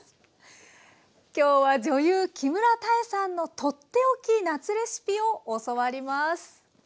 今日は女優木村多江さんのとっておき夏レシピを教わります。